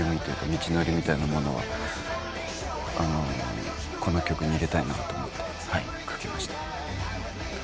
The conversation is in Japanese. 道のりみたいなものをこの曲に入れたいなと思って書きました。